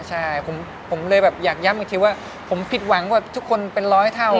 ใช่ผมเลยแบบอยากย้ำอีกทีว่าผมผิดหวังกับทุกคนเป็นร้อยเท่า